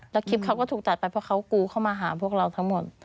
แล้วคลิปเขาก็ถูกตัดไปเพราะเขากูเข้ามาหาพวกเราทั้งหมด